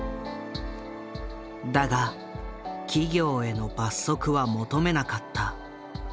だが企業への罰則は求めなかった。